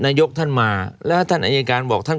นายกท่านมาแล้วท่านอายการบอกท่าน